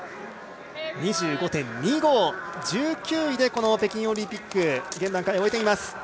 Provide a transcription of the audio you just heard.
２５．２５、１９位で北京オリンピック現段階で終えています